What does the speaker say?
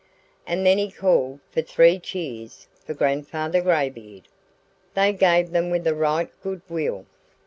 And then he called for "three cheers for Grandfather Graybeard!" They gave them with a right good will.